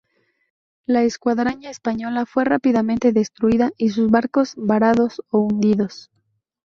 La Escuadra española fue rápidamente destruida y sus barcos varados o hundidos.